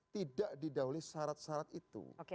tidak didahului syarat syarat itu